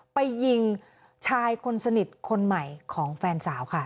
ไปยิงชายคนสนิทคนใหม่ของแฟนสาวค่ะ